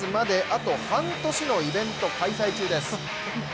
あと半年のイベント開催中です。